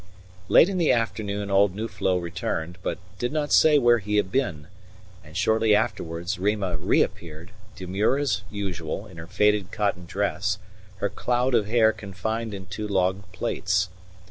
Late in the afternoon old Nuflo returned, but did not say where he had been; and shortly afterwards Rima reappeared, demure as usual, in her faded cotton dress, her cloud of hair confined in two long plaits.